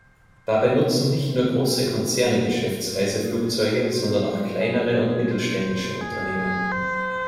Dabei nutzen nicht nur große Konzerne Geschäftsreiseflugzeuge, sondern auch kleinere und mittelständische Unternehmen.